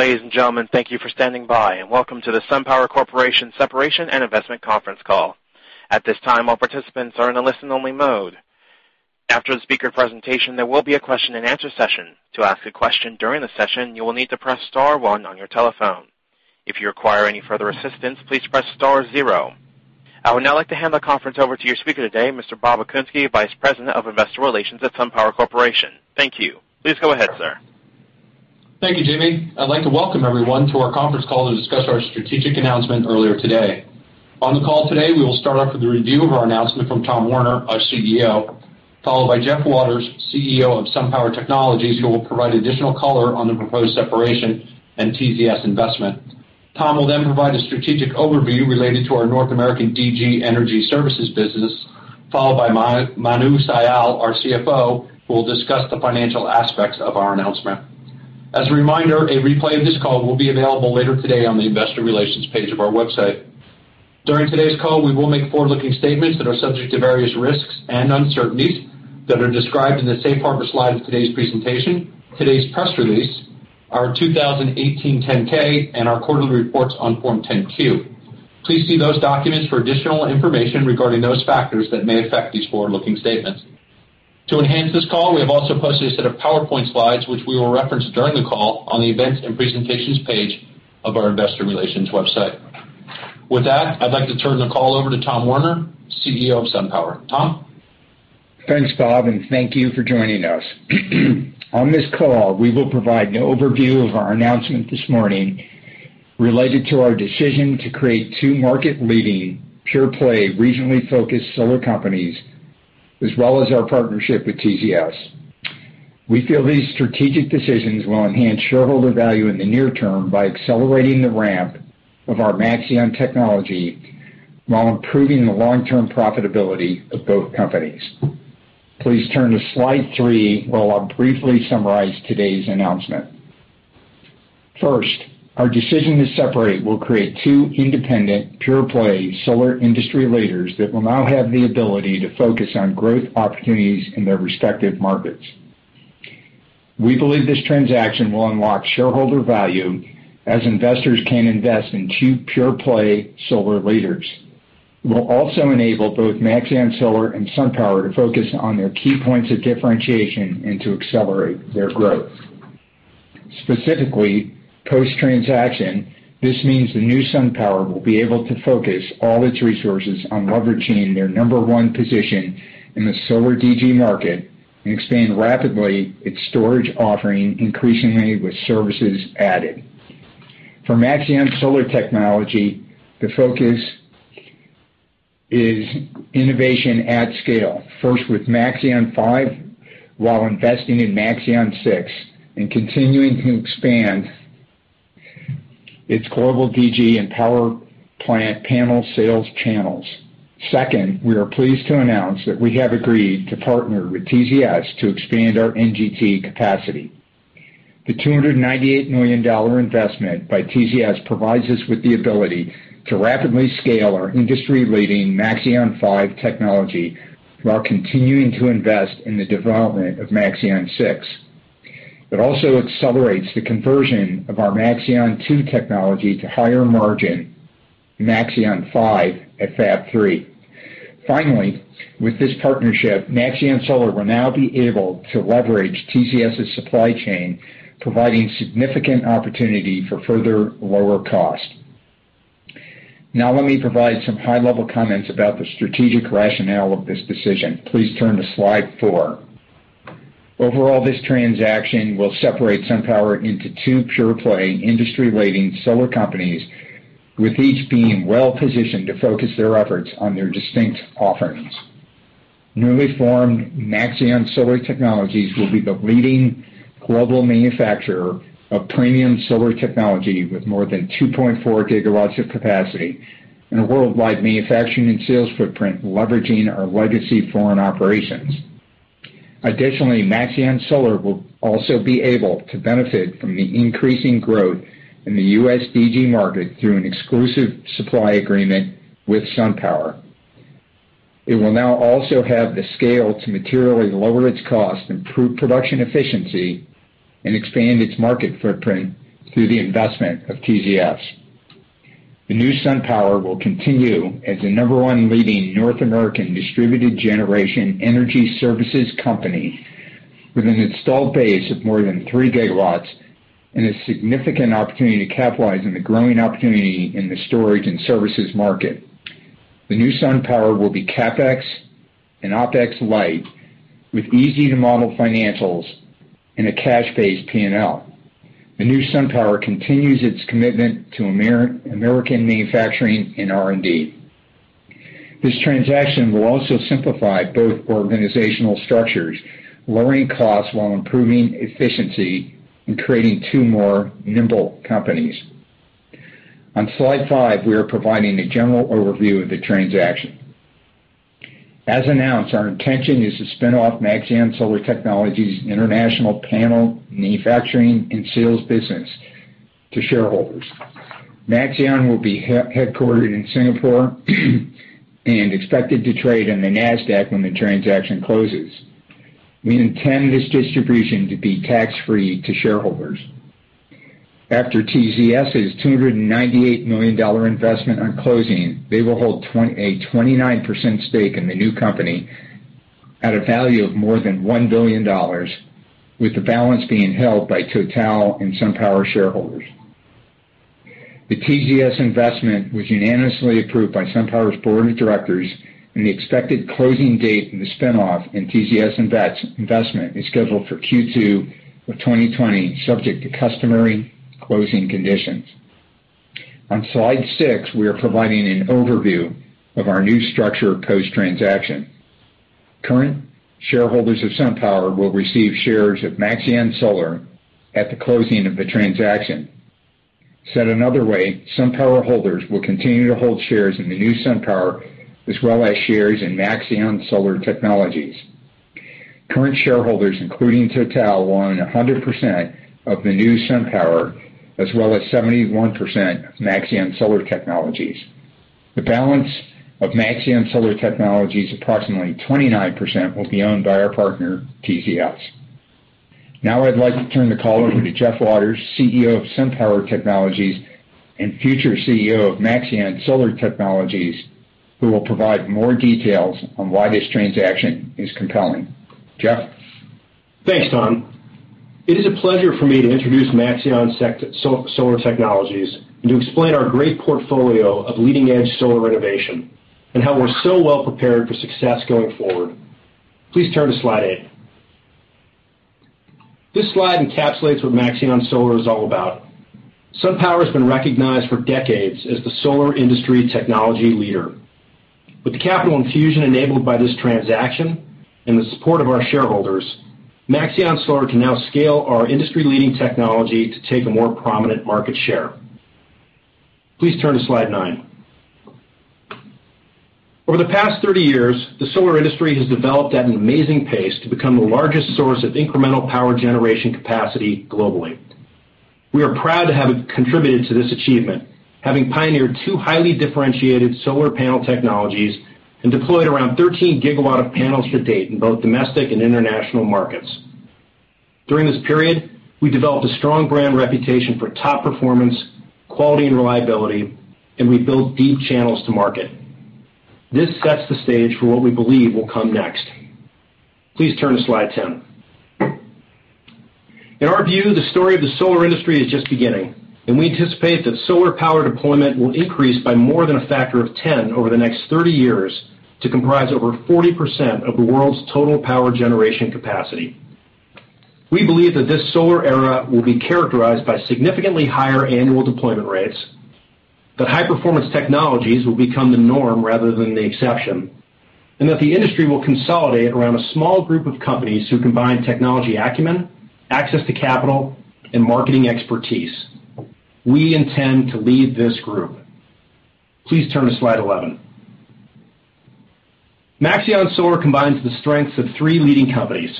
Ladies and gentlemen, thank you for standing by and welcome to the SunPower Corporation Separation and Investment Conference Call. At this time, all participants are in a listen-only mode. After the speaker presentation, there will be a question-and-answer session. To ask a question during the session, you will need to press star one on your telephone. If you require any further assistance, please press star zero. I would now like to hand the conference over to your speaker today, Mr. Bob Okunski, Vice President of Investor Relations at SunPower Corporation. Thank you. Please go ahead, sir. Thank you, Jimmy. I'd like to welcome everyone to our conference call to discuss our strategic announcement earlier today. On the call today, we will start off with a review of our announcement from Tom Werner, our CEO, followed by Jeff Waters, CEO of SunPower Technologies, who will provide additional color on the proposed separation and TZS investment. Tom will then provide a strategic overview related to our North American DG energy services business, followed by Manu Sial, our CFO, who will discuss the financial aspects of our announcement. As a reminder, a replay of this call will be available later today on the investor relations page of our website. During today's call, we will make forward-looking statements that are subject to various risks and uncertainties that are described in the safe harbor slide of today's presentation, today's press release, our 2018 10-K, and our quarterly reports on Form 10-Q. Please see those documents for additional information regarding those factors that may affect these forward-looking statements. To enhance this call, we have also posted a set of PowerPoint slides, which we will reference during the call on the events and presentations page of our investor relations website. With that, I'd like to turn the call over to Tom Werner, CEO of SunPower. Tom? Thanks, Bob, and thank you for joining us. On this call, we will provide an overview of our announcement this morning related to our decision to create two market-leading, pure-play, regionally focused solar companies, as well as our partnership with TZS. We feel these strategic decisions will enhance shareholder value in the near term by accelerating the ramp of our Maxeon technology while improving the long-term profitability of both companies. Please turn to slide three, where I'll briefly summarize today's announcement. First, our decision to separate will create two independent pure-play solar industry leaders that will now have the ability to focus on growth opportunities in their respective markets. We believe this transaction will unlock shareholder value as investors can invest in two pure-play solar leaders. It will also enable both Maxeon Solar and SunPower to focus on their key points of differentiation and to accelerate their growth. Specifically, post-transaction, this means the new SunPower will be able to focus all its resources on leveraging their number one position in the solar DG market and expand rapidly its storage offering, increasingly with services added. For Maxeon Solar Technologies, the focus is innovation at scale, first with Maxeon 5, while investing in Maxeon 6 and continuing to expand its global DG and power plant panel sales channels. Second, we are pleased to announce that we have agreed to partner with TZS to expand our NGT capacity. The $298 million investment by TZS provides us with the ability to rapidly scale our industry-leading Maxeon 5 technology while continuing to invest in the development of Maxeon 6. It also accelerates the conversion of our Maxeon 2 technology to higher margin Maxeon 5 at Fab 3. Finally, with this partnership, Maxeon Solar will now be able to leverage TZS' supply chain, providing significant opportunity for further lower cost. Now let me provide some high-level comments about the strategic rationale of this decision. Please turn to slide four. Overall, this transaction will separate SunPower into two pure-play industry-leading solar companies, with each being well positioned to focus their efforts on their distinct offerings. Newly formed Maxeon Solar Technologies will be the leading global manufacturer of premium solar technology with more than 2.4 GW of capacity and a worldwide manufacturing and sales footprint leveraging our legacy foreign operations. Additionally, Maxeon Solar will also be able to benefit from the increasing growth in the U.S. DG market through an exclusive supply agreement with SunPower. It will now also have the scale to materially lower its cost, improve production efficiency, and expand its market footprint through the investment of TZS. The new SunPower will continue as the number one leading North American distributed generation energy services company with an installed base of more than 3 GW and a significant opportunity to capitalize on the growing opportunity in the storage and services market. The new SunPower will be CapEx and OpEx light with easy-to-model financials and a cash-based P&L. The new SunPower continues its commitment to American manufacturing and R&D. This transaction will also simplify both organizational structures, lowering costs while improving efficiency and creating two more nimble companies. On slide five, we are providing a general overview of the transaction. As announced, our intention is to spin off Maxeon Solar Technologies' international panel manufacturing and sales business to shareholders. Maxeon will be headquartered in Singapore and expected to trade on the Nasdaq when the transaction closes. We intend this distribution to be tax-free to shareholders. After TZS's $298 million investment on closing, they will hold a 29% stake in the new company at a value of more than $1 billion, with the balance being held by Total and SunPower shareholders. The TZS investment was unanimously approved by SunPower's board of directors, and the expected closing date in the spinoff and TZS investment is scheduled for Q2 of 2020, subject to customary closing conditions. On slide six, we are providing an overview of our new structure post-transaction. Current shareholders of SunPower will receive shares of Maxeon Solar at the closing of the transaction. Said another way, SunPower holders will continue to hold shares in the new SunPower, as well as shares in Maxeon Solar Technologies. Current shareholders, including Total, will own 100% of the new SunPower, as well as 71% of Maxeon Solar Technologies. The balance of Maxeon Solar Technologies, approximately 29%, will be owned by our partner, TZS. Now I'd like to turn the call over to Jeff Waters, CEO of SunPower Technologies and future CEO of Maxeon Solar Technologies, who will provide more details on why this transaction is compelling. Jeff? Thanks, Tom. It is a pleasure for me to introduce Maxeon Solar Technologies and to explain our great portfolio of leading-edge solar innovation and how we're so well prepared for success going forward. Please turn to slide eight. This slide encapsulates what Maxeon Solar is all about. SunPower has been recognized for decades as the solar industry technology leader. With the capital infusion enabled by this transaction and the support of our shareholders, Maxeon Solar can now scale our industry-leading technology to take a more prominent market share. Please turn to slide nine. Over the past 30 years, the solar industry has developed at an amazing pace to become the largest source of incremental power generation capacity globally. We are proud to have contributed to this achievement, having pioneered two highly differentiated solar panel technologies and deployed around 13 GW of panels to date in both domestic and international markets. During this period, we developed a strong brand reputation for top performance, quality, and reliability, and we built deep channels to market. This sets the stage for what we believe will come next. Please turn to slide 10. In our view, the story of the solar industry is just beginning, and we anticipate that solar power deployment will increase by more than a factor of 10 over the next 30 years to comprise over 40% of the world's total power generation capacity. We believe that this solar era will be characterized by significantly higher annual deployment rates, that high-performance technologies will become the norm rather than the exception, and that the industry will consolidate around a small group of companies who combine technology acumen, access to capital, and marketing expertise. We intend to lead this group. Please turn to slide 11. Maxeon Solar combines the strengths of three leading companies.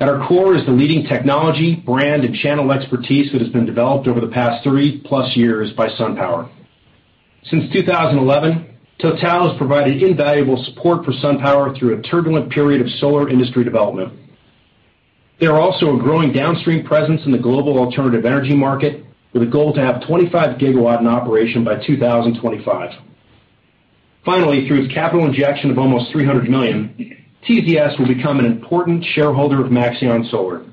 At our core is the leading technology, brand, and channel expertise that has been developed over the past three-plus years by SunPower. Since 2011, Total has provided invaluable support for SunPower through a turbulent period of solar industry development. They are also a growing downstream presence in the global alternative energy market, with a goal to have 25 GW in operation by 2025. Finally, through its capital injection of almost $300 million, TZS will become an important shareholder of Maxeon Solar.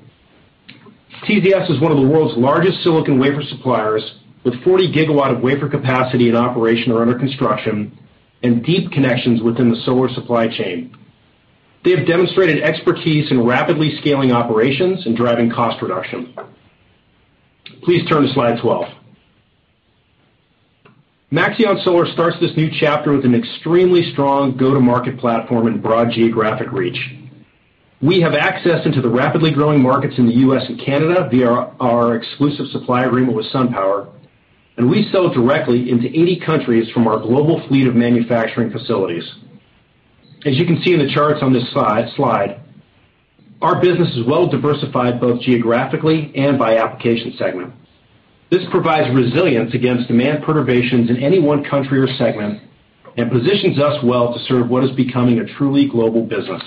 TZS is one of the world's largest silicon wafer suppliers, with 40 GW of wafer capacity in operation or under construction and deep connections within the solar supply chain. They have demonstrated expertise in rapidly scaling operations and driving cost reduction. Please turn to slide 12. Maxeon Solar starts this new chapter with an extremely strong go-to-market platform and broad geographic reach. We have access into the rapidly growing markets in the U.S. and Canada via our exclusive supply agreement with SunPower. We sell directly into 80 countries from our global fleet of manufacturing facilities. As you can see in the charts on this slide, our business is well diversified both geographically and by application segment. This provides resilience against demand perturbations in any one country or segment and positions us well to serve what is becoming a truly global business.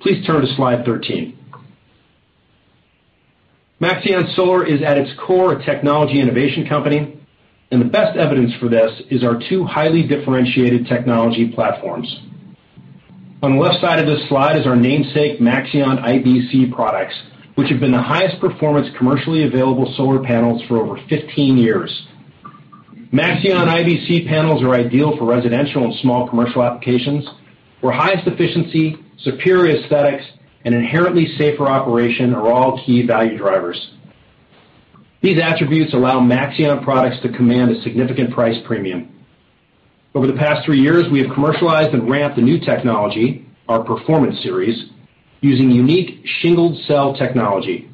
Please turn to slide 13. Maxeon Solar is, at its core, a technology innovation company. The best evidence for this is our two highly differentiated technology platforms. On the left side of this slide is our namesake Maxeon IBC products, which have been the highest performance commercially available solar panels for over 15 years. Maxeon IBC panels are ideal for residential and small commercial applications where highest efficiency, superior aesthetics, and inherently safer operation are all key value drivers. These attributes allow Maxeon products to command a significant price premium. Over the past three years, we have commercialized and ramped a new technology, our Performance Series, using unique shingled cell technology.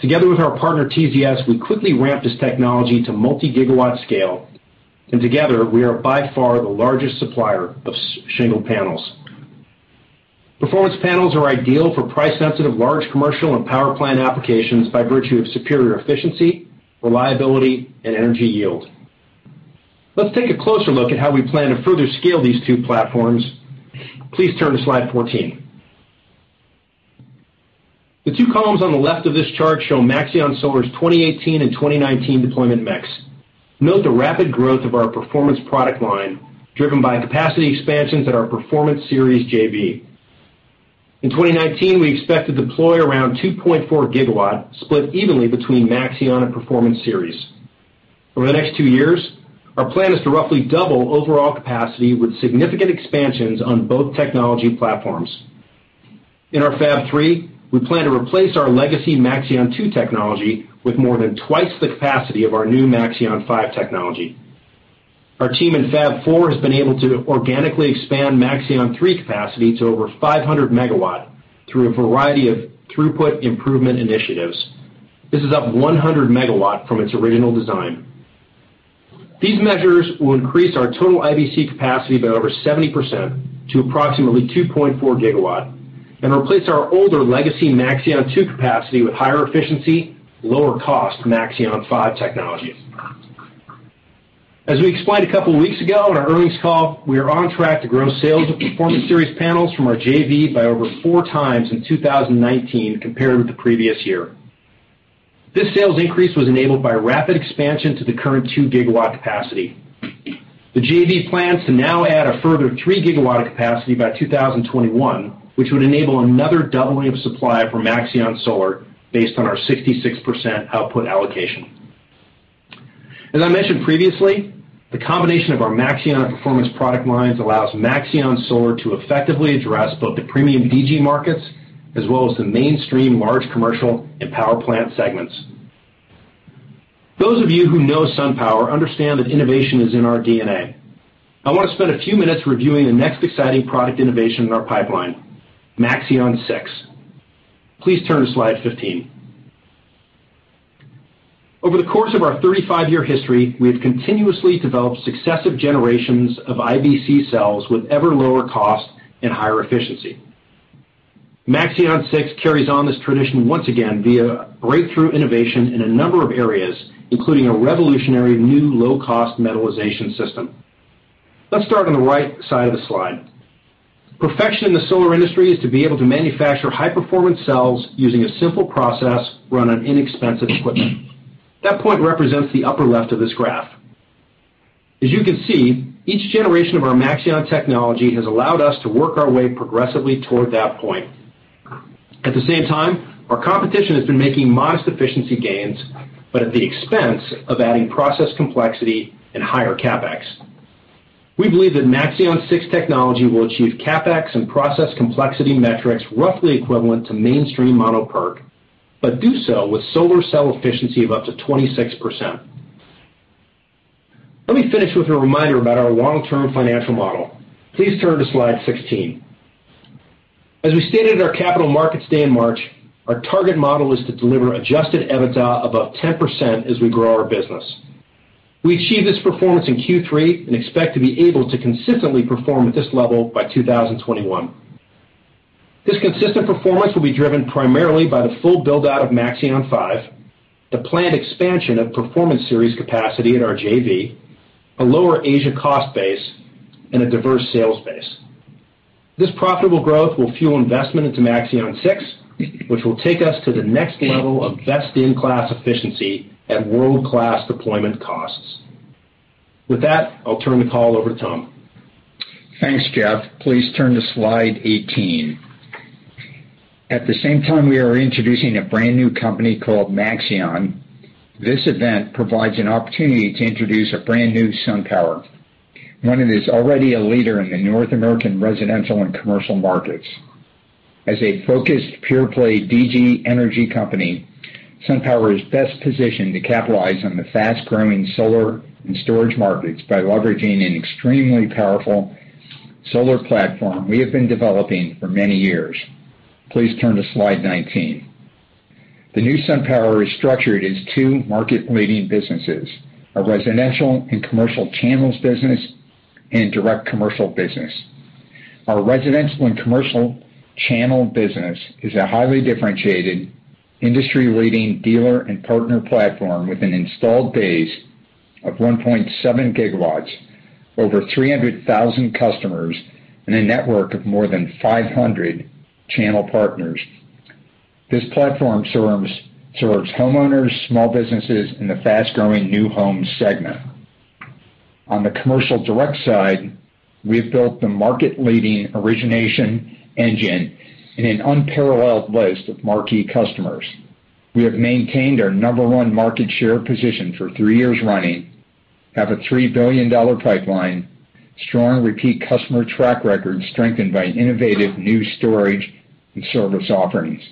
Together with our partner TZS, we quickly ramped this technology to multi-gigawatt scale, and together we are by far the largest supplier of shingled panels. Performance panels are ideal for price-sensitive large commercial and power plant applications by virtue of superior efficiency, reliability, and energy yield. Let's take a closer look at how we plan to further scale these two platforms. Please turn to slide 14. The two columns on the left of this chart show Maxeon Solar's 2018 and 2019 deployment mix. Note the rapid growth of our Performance product line, driven by capacity expansions at our Performance Series JV. In 2019, we expect to deploy around 2.4 GW, split evenly between Maxeon and Performance Series. Over the next two years, our plan is to roughly double overall capacity with significant expansions on both technology platforms. In our Fab 3, we plan to replace our legacy Maxeon 2 technology with more than twice the capacity of our new Maxeon 5 technology. Our team in Fab 4 has been able to organically expand Maxeon 3 capacity to over 500 MW through a variety of throughput improvement initiatives. This is up 100 MW from its original design. These measures will increase our total IBC capacity by over 70% to approximately 2.4 GW, and replace our older legacy Maxeon 2 capacity with higher efficiency, lower cost Maxeon 5 technology. As we explained a couple of weeks ago on our earnings call, we are on track to grow sales of Performance Series panels from our JV by over four times in 2019 compared with the previous year. This sales increase was enabled by rapid expansion to the current 2 GW capacity. The JV plans to now add a further 3 GW of capacity by 2021, which would enable another doubling of supply for Maxeon Solar based on our 66% output allocation. As I mentioned previously, the combination of our Maxeon and Performance product lines allows Maxeon Solar to effectively address both the premium DG markets as well as the mainstream large commercial and power plant segments. Those of you who know SunPower understand that innovation is in our DNA. I want to spend a few minutes reviewing the next exciting product innovation in our pipeline, Maxeon 6. Please turn to slide 15. Over the course of our 35-year history, we have continuously developed successive generations of IBC cells with ever lower cost and higher efficiency. Maxeon 6 carries on this tradition once again via breakthrough innovation in a number of areas, including a revolutionary new low-cost metallization system. Let's start on the right side of the slide. Perfection in the solar industry is to be able to manufacture high-performance cells using a simple process run on inexpensive equipment. That point represents the upper left of this graph. As you can see, each generation of our Maxeon technology has allowed us to work our way progressively toward that point. At the same time, our competition has been making modest efficiency gains, but at the expense of adding process complexity and higher CapEx. We believe that Maxeon 6 technology will achieve CapEx and process complexity metrics roughly equivalent to mainstream mono PERC, but do so with solar cell efficiency of up to 26%. Let me finish with a reminder about our long-term financial model. Please turn to slide 16. As we stated at our capital markets day in March, our target model is to deliver adjusted EBITDA above 10% as we grow our business. We achieved this performance in Q3 and expect to be able to consistently perform at this level by 2021. This consistent performance will be driven primarily by the full build-out of Maxeon 5, the planned expansion of Performance Series capacity at our JV, a lower Asia cost base, and a diverse sales base. This profitable growth will fuel investment into Maxeon 6, which will take us to the next level of best-in-class efficiency at world-class deployment costs. With that, I'll turn the call over to Tom. Thanks, Jeff. Please turn to slide 18. At the same time we are introducing a brand-new company called Maxeon, this event provides an opportunity to introduce a brand-new SunPower. One that is already a leader in the North American residential and commercial markets. As a focused pure-play DG energy company, SunPower is best positioned to capitalize on the fast-growing solar and storage markets by leveraging an extremely powerful solar platform we have been developing for many years. Please turn to slide 19. The new SunPower is structured as two market-leading businesses, a residential and commercial channels business, and direct commercial business. Our residential and commercial channel business is a highly differentiated industry-leading dealer and partner platform with an installed base of 1.7 GW, over 300,000 customers, and a network of more than 500 channel partners. This platform serves homeowners, small businesses, and the fast-growing new home segment. On the commercial direct side, we have built the market-leading origination engine and an unparalleled list of marquee customers. We have maintained our number one market share position for three years running, have a $3 billion pipeline, strong repeat customer track record strengthened by innovative new storage and service offerings.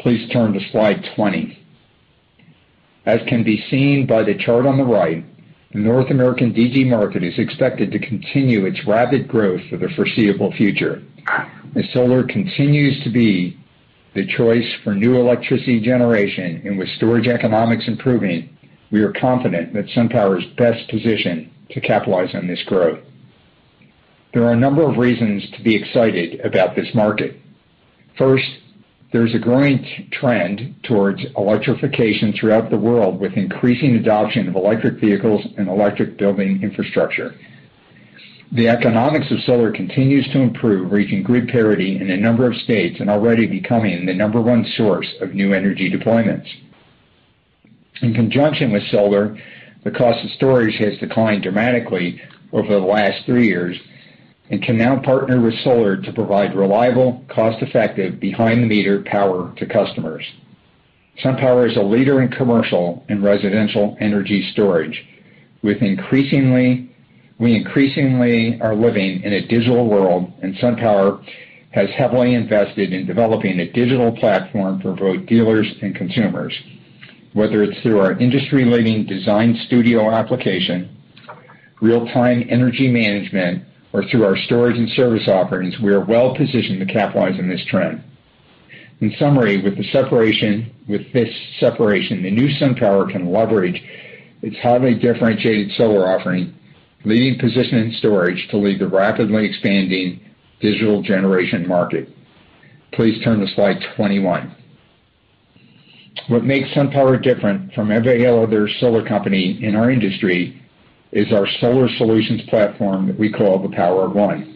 Please turn to slide 20. As can be seen by the chart on the right, the North American DG market is expected to continue its rapid growth for the foreseeable future. As solar continues to be the choice for new electricity generation and with storage economics improving, we are confident that SunPower is best positioned to capitalize on this growth. There are a number of reasons to be excited about this market. First, there's a growing trend towards electrification throughout the world, with increasing adoption of electric vehicles and electric building infrastructure. The economics of solar continues to improve, reaching grid parity in a number of states and already becoming the number one source of new energy deployments. In conjunction with solar, the cost of storage has declined dramatically over the last three years and can now partner with solar to provide reliable, cost-effective behind-the-meter power to customers. SunPower is a leader in commercial and residential energy storage. We increasingly are living in a digital world, and SunPower has heavily invested in developing a digital platform for both dealers and consumers. Whether it's through our industry-leading Design Studio application, real-time energy management, or through our storage and service offerings, we are well positioned to capitalize on this trend. In summary, with this separation, the new SunPower can leverage its highly differentiated solar offering, leading position in storage to lead the rapidly expanding digital generation market. Please turn to slide 21. What makes SunPower different from every other solar company in our industry is our solar solutions platform that we call the Power of One.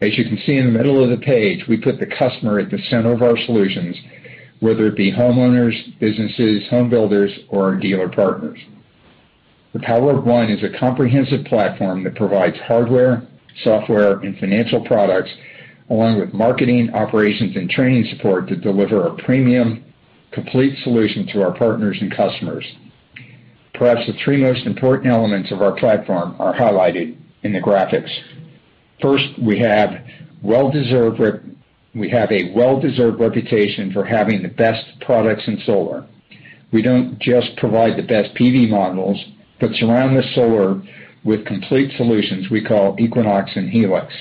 As you can see in the middle of the page, we put the customer at the center of our solutions, whether it be homeowners, businesses, home builders, or our dealer partners. The Power of One is a comprehensive platform that provides hardware, software, and financial products, along with marketing, operations, and training support to deliver a premium, complete solution to our partners and customers. Perhaps the three most important elements of our platform are highlighted in the graphics. First, we have a well-deserved reputation for having the best products in solar. We don't just provide the best PV modules but surround the solar with complete solutions we call Equinox and Helix.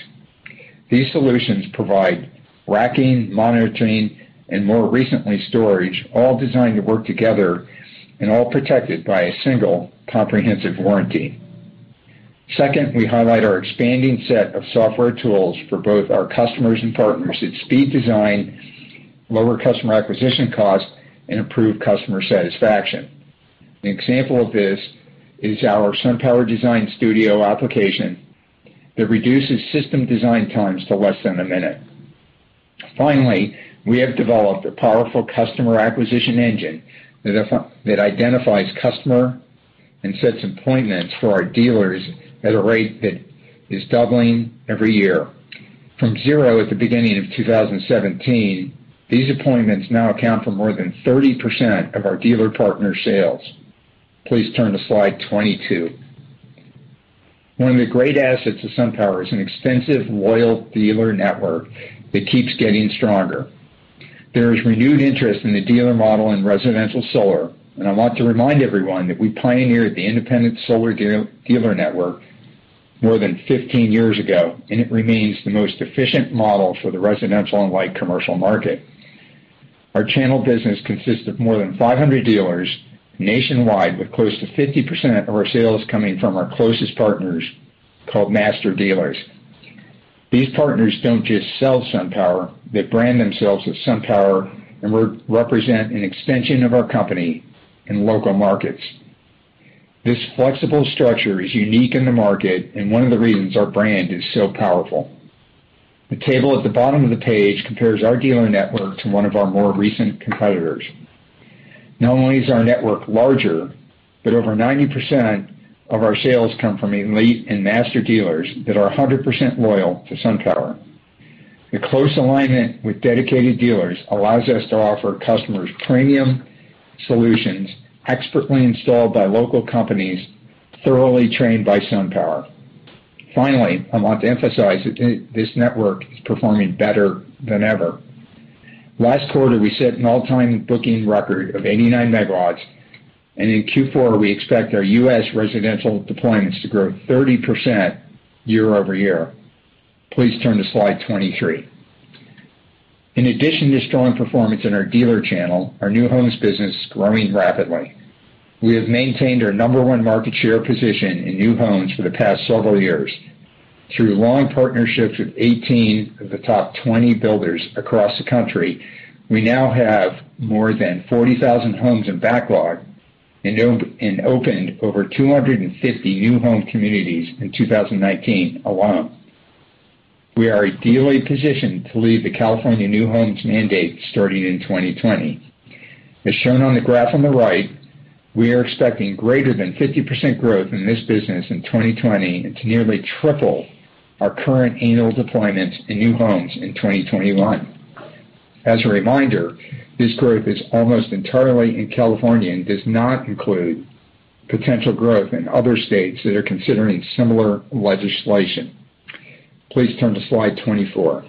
These solutions provide racking, monitoring, and more recently, storage, all designed to work together and all protected by a single comprehensive warranty. Second, we highlight our expanding set of software tools for both our customers and partners that speed design, lower customer acquisition costs, and improve customer satisfaction. An example of this is our SunPower Design Studio application that reduces system design times to less than one minute. Finally, we have developed a powerful customer acquisition engine that identifies customer and sets appointments for our dealers at a rate that is doubling every year. From zero at the beginning of 2017, these appointments now account for more than 30% of our dealer partner sales. Please turn to slide 22. One of the great assets of SunPower is an extensive, loyal dealer network that keeps getting stronger. There is renewed interest in the dealer model in residential solar, and I want to remind everyone that we pioneered the independent solar dealer network more than 15 years ago, and it remains the most efficient model for the residential and light commercial market. Our channel business consists of more than 500 dealers nationwide, with close to 50% of our sales coming from our closest partners called master dealers. These partners don't just sell SunPower, they brand themselves as SunPower and represent an extension of our company in local markets. This flexible structure is unique in the market and one of the reasons our brand is so powerful. The table at the bottom of the page compares our dealer network to one of our more recent competitors. Not only is our network larger, but over 90% of our sales come from elite and master dealers that are 100% loyal to SunPower. The close alignment with dedicated dealers allows us to offer customers premium solutions expertly installed by local companies, thoroughly trained by SunPower. Finally, I want to emphasize that this network is performing better than ever. Last quarter, we set an all-time booking record of 89 MW, and in Q4, we expect our U.S. residential deployments to grow 30% year-over-year. Please turn to slide 23. In addition to strong performance in our dealer channel, our new homes business is growing rapidly. We have maintained our number one market share position in new homes for the past several years. Through long partnerships with 18 of the top 20 builders across the country, we now have more than 40,000 homes in backlog and opened over 250 new home communities in 2019 alone. We are ideally positioned to lead the California new homes mandate starting in 2020. As shown on the graph on the right, we are expecting greater than 50% growth in this business in 2020 and to nearly triple our current annual deployments in new homes in 2021. As a reminder, this growth is almost entirely in California and does not include potential growth in other states that are considering similar legislation. Please turn to slide 24.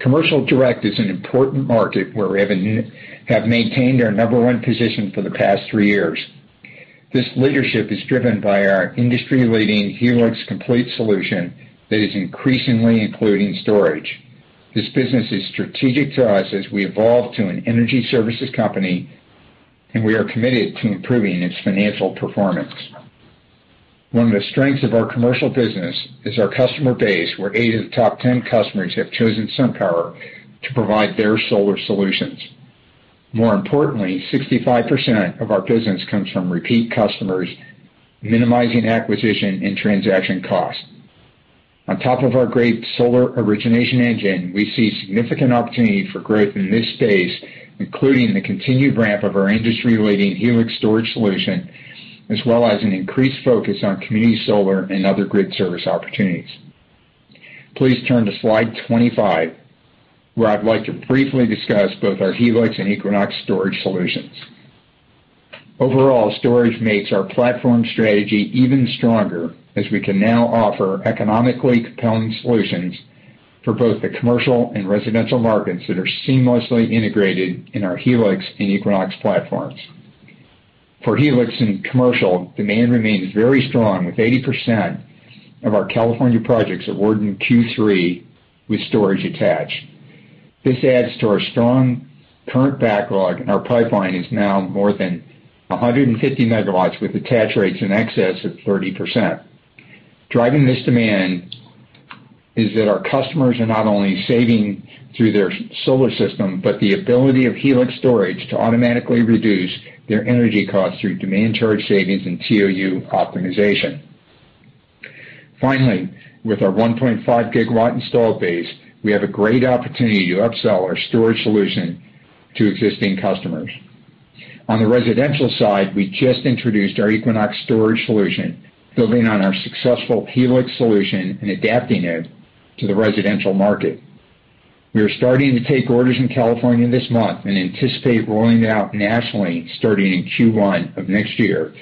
Commercial direct is an important market where we have maintained our number one position for the past three years. This leadership is driven by our industry-leading Helix complete solution that is increasingly including storage. This business is strategic to us as we evolve to an energy services company. We are committed to improving its financial performance. One of the strengths of our commercial business is our customer base, where eight of the top 10 customers have chosen SunPower to provide their solar solutions. More importantly, 65% of our business comes from repeat customers, minimizing acquisition and transaction costs. On top of our great solar origination engine, we see significant opportunity for growth in this space, including the continued ramp of our industry-leading Helix Storage solution, as well as an increased focus on community solar and other grid service opportunities. Please turn to slide 25, where I'd like to briefly discuss both our Helix and Equinox Storage solutions. Overall, storage makes our platform strategy even stronger as we can now offer economically compelling solutions for both the commercial and residential markets that are seamlessly integrated in our Helix and Equinox platforms. For Helix in commercial, demand remains very strong with 80% of our California projects awarded in Q3 with storage attached. This adds to our strong current backlog, and our pipeline is now more than 150 MW, with attach rates in excess of 30%. Driving this demand is that our customers are not only saving through their solar system, but the ability of Helix Storage to automatically reduce their energy costs through demand charge savings and TOU optimization. Finally, with our 1.5 GW installed base, we have a great opportunity to upsell our storage solution to existing customers. On the residential side, we just introduced our Equinox Storage solution, building on our successful Helix solution and adapting it to the residential market. We are starting to take orders in California this month and anticipate rolling it out nationally starting in Q1 of next year,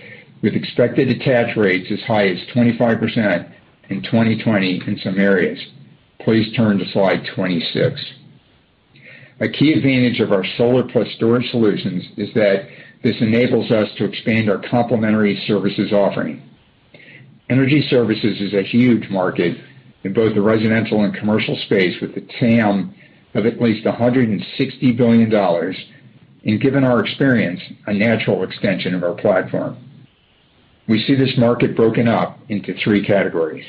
with expected attach rates as high as 25% in 2020 in some areas. Please turn to slide 26. A key advantage of our solar plus storage solutions is that this enables us to expand our complementary services offering. Energy services is a huge market in both the residential and commercial space, with a TAM of at least $160 billion. Given our experience, a natural extension of our platform. We see this market broken up into three categories.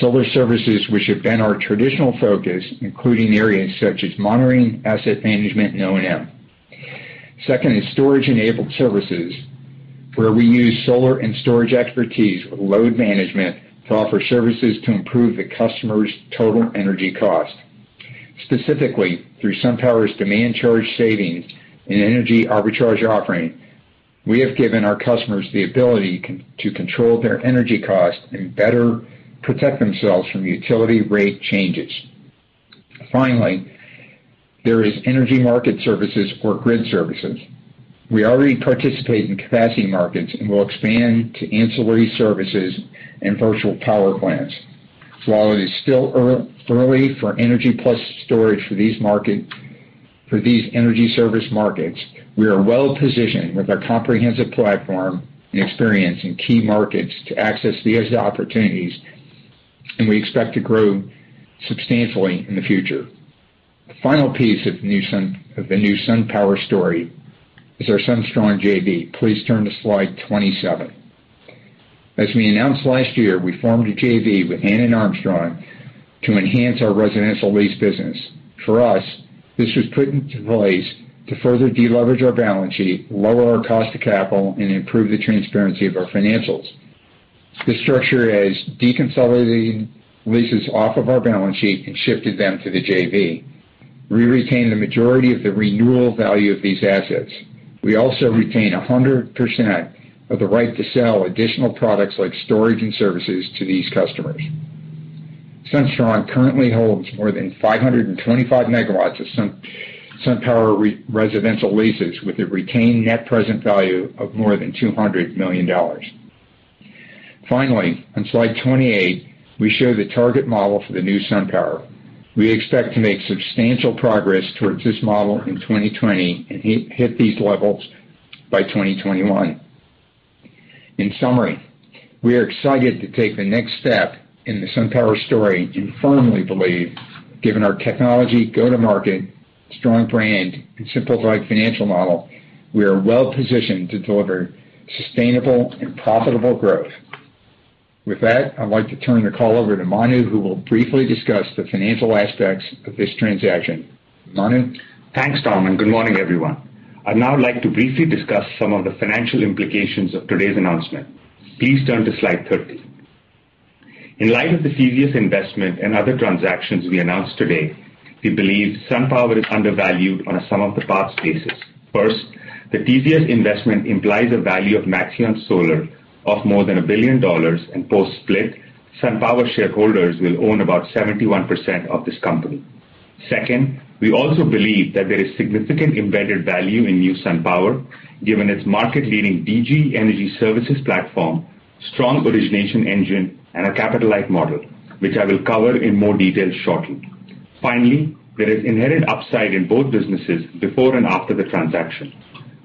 Solar services, which have been our traditional focus, including areas such as monitoring, asset management, and O&M. Second is storage-enabled services, where we use solar and storage expertise with load management to offer services to improve the customer's total energy cost. Specifically, through SunPower's demand charge savings and energy arbitrage offering, we have given our customers the ability to control their energy costs and better protect themselves from utility rate changes. Finally, there is energy market services or grid services. We already participate in capacity markets and will expand to ancillary services and virtual power plants. While it is still early for energy plus storage for these energy service markets, we are well-positioned with our comprehensive platform and experience in key markets to access these opportunities, and we expect to grow substantially in the future. The final piece of the new SunPower story is our SunStrong JV. Please turn to slide 27. As we announced last year, we formed a JV with Hannon Armstrong to enhance our residential lease business. For us, this was put into place to further de-leverage our balance sheet, lower our cost of capital, and improve the transparency of our financials. This structure has deconsolidated leases off of our balance sheet and shifted them to the JV. We retain the majority of the renewal value of these assets. We also retain 100% of the right to sell additional products like storage and services to these customers. SunStrong currently holds more than 525 MW of SunPower residential leases with a retained net present value of more than $200 million. Finally, on slide 28, we show the target model for the new SunPower. We expect to make substantial progress towards this model in 2020 and hit these levels by 2021. In summary, we are excited to take the next step in the SunPower story and firmly believe, given our technology, go-to-market, strong brand, and simplified financial model, we are well-positioned to deliver sustainable and profitable growth. With that, I'd like to turn the call over to Manu, who will briefly discuss the financial aspects of this transaction. Manu? Thanks, Tom, and good morning, everyone. I'd now like to briefly discuss some of the financial implications of today's announcement. Please turn to slide 30. In light of the previous investment and other transactions we announced today, we believe SunPower is undervalued on a sum-of-the-parts basis. First, the previous investment implies a value of Maxeon Solar of more than $1 billion, and post-split, SunPower shareholders will own about 71% of this company. Second, we also believe that there is significant embedded value in new SunPower given its market-leading DG Energy Services platform, strong origination engine, and a capital-light model, which I will cover in more detail shortly. Finally, there is inherent upside in both businesses before and after the transaction.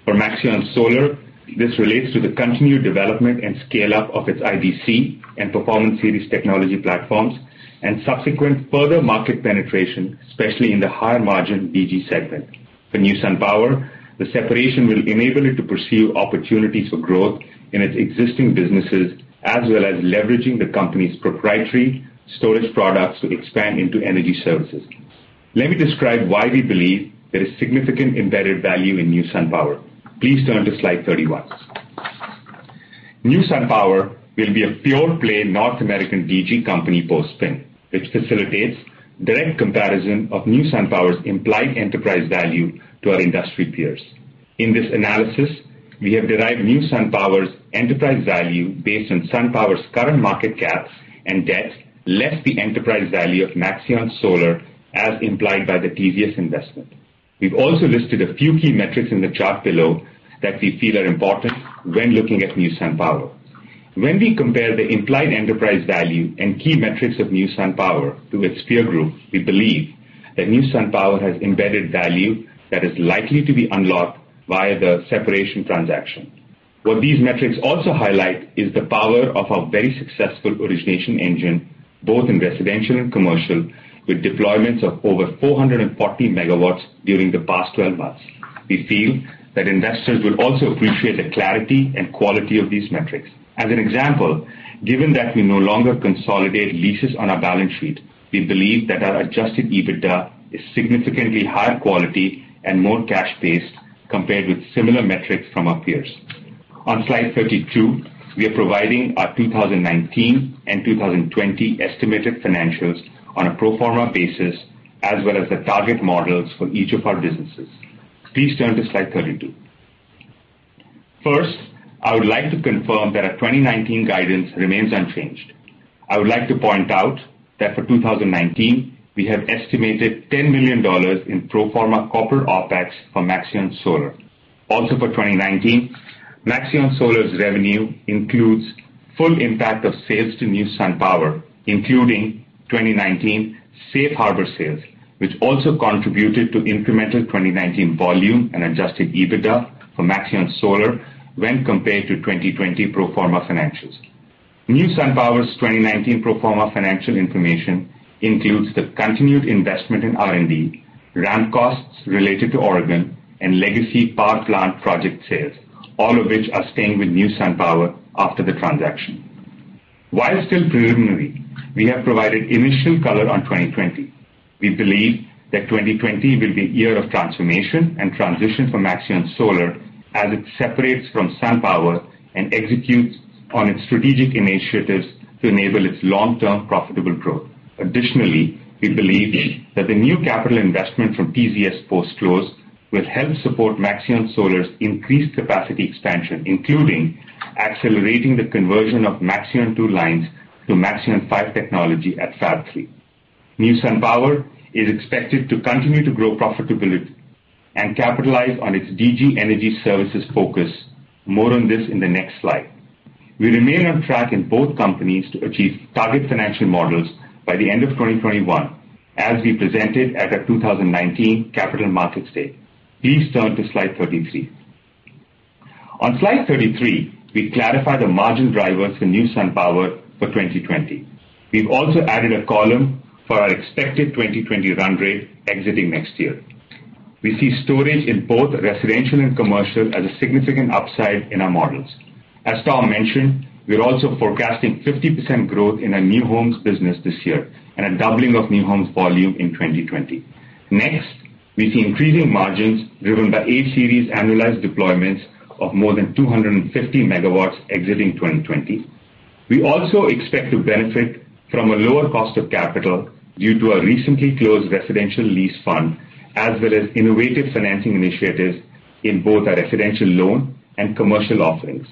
For Maxeon Solar, this relates to the continued development and scale-up of its IBC and Performance Series technology platforms. Subsequent further market penetration, especially in the higher margin DG segment. For New SunPower, the separation will enable it to pursue opportunities for growth in its existing businesses, as well as leveraging the company's proprietary storage products to expand into energy services. Let me describe why we believe there is significant embedded value in New SunPower. Please turn to slide 31. New SunPower will be a pure-play North American DG company post-spin, which facilitates direct comparison of New SunPower's implied enterprise value to our industry peers. In this analysis, we have derived New SunPower's enterprise value based on SunPower's current market cap and debt, less the enterprise value of Maxeon Solar, as implied by the TZS investment. We've also listed a few key metrics in the chart below that we feel are important when looking at New SunPower. When we compare the implied enterprise value and key metrics of New SunPower to its peer group, we believe that New SunPower has embedded value that is likely to be unlocked via the separation transaction. What these metrics also highlight is the power of our very successful origination engine, both in residential and commercial, with deployments of over 440 MW during the past 12 months. We feel that investors will also appreciate the clarity and quality of these metrics. As an example, given that we no longer consolidate leases on our balance sheet, we believe that our adjusted EBITDA is significantly higher quality and more cash-based compared with similar metrics from our peers. On slide 32, we are providing our 2019 and 2020 estimated financials on a pro forma basis, as well as the target models for each of our businesses. Please turn to slide 32. First, I would like to confirm that our 2019 guidance remains unchanged. I would like to point out that for 2019, we have estimated $10 million in pro forma corporate OpEx for Maxeon Solar. Also for 2019, Maxeon Solar's revenue includes full impact of sales to New SunPower, including 2019 safe harbor sales, which also contributed to incremental 2019 volume and adjusted EBITDA for Maxeon Solar when compared to 2020 pro forma financials. New SunPower's 2019 pro forma financial information includes the continued investment in R&D, ramp costs related to Oregon, and legacy power plant project sales, all of which are staying with New SunPower after the transaction. While still preliminary, we have provided initial color on 2020. We believe that 2020 will be a year of transformation and transition for Maxeon Solar as it separates from SunPower and executes on its strategic initiatives to enable its long-term profitable growth. Additionally, we believe that the new capital investment from TZS post-close will help support Maxeon Solar's increased capacity expansion, including accelerating the conversion of Maxeon 2 lines to Maxeon 5 technology at Fab 3. New SunPower is expected to continue to grow profitability and capitalize on its DG energy services focus. More on this in the next slide. We remain on track in both companies to achieve target financial models by the end of 2021, as we presented at our 2019 Capital Markets Day. Please turn to slide 33. On slide 33, we clarify the margin drivers for New SunPower for 2020. We've also added a column for our expected 2020 run rate exiting next year. We see storage in both residential and commercial as a significant upside in our models. As Tom mentioned, we're also forecasting 50% growth in our new homes business this year and a doubling of new homes volume in 2020. Next, we see increasing margins driven by A Series annualized deployments of more than 250 MW exiting 2020. We also expect to benefit from a lower cost of capital due to our recently closed residential lease fund, as well as innovative financing initiatives in both our residential loan and commercial offerings.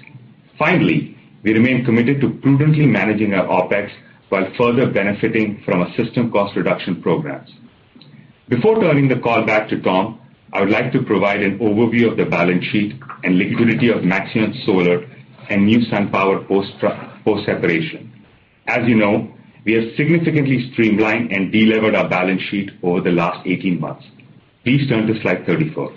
Finally, we remain committed to prudently managing our OpEx while further benefiting from our system cost reduction programs. Before turning the call back to Tom, I would like to provide an overview of the balance sheet and liquidity of Maxeon Solar and New SunPower post separation. As you know, we have significantly streamlined and delevered our balance sheet over the last 18 months. Please turn to slide 34.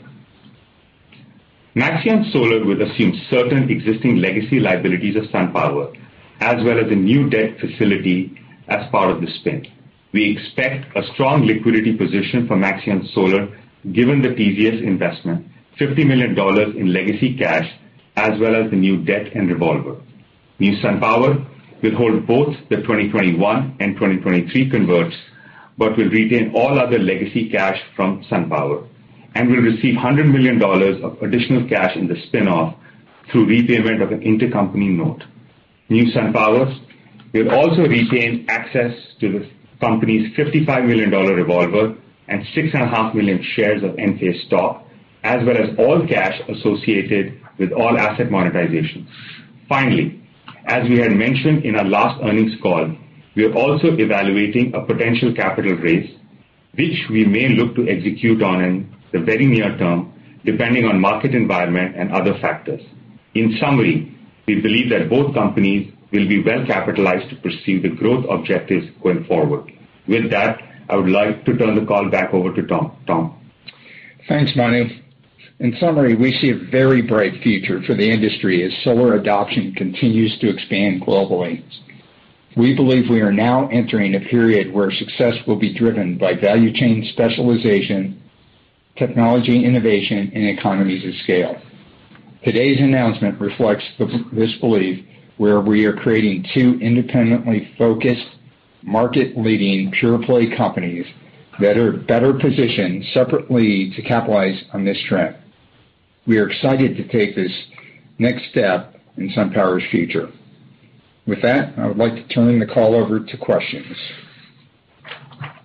Maxeon Solar will assume certain existing legacy liabilities of SunPower, as well as a new debt facility as part of the spin. We expect a strong liquidity position for Maxeon Solar given the previous investment, $50 million in legacy cash, as well as the new debt and revolver. New SunPower will hold both the 2021 and 2023 converts but will retain all other legacy cash from SunPower and will receive $100 million of additional cash in the spin-off through repayment of an intercompany note. New SunPower will also retain access to the company's $55 million revolver and 6.5 million shares of Enphase stock, as well as all cash associated with all asset monetizations. Finally, as we had mentioned in our last earnings call, we are also evaluating a potential capital raise, which we may look to execute on in the very near term, depending on market environment and other factors. In summary, we believe that both companies will be well-capitalized to pursue the growth objectives going forward. With that, I would like to turn the call back over to Tom. Tom? Thanks, Manu. In summary, we see a very bright future for the industry as solar adoption continues to expand globally. We believe we are now entering a period where success will be driven by value chain specialization, technology innovation, and economies of scale. Today's announcement reflects this belief where we are creating two independently focused, market-leading, pure-play companies that are better positioned separately to capitalize on this trend. We are excited to take this next step in SunPower's future. With that, I would like to turn the call over to questions.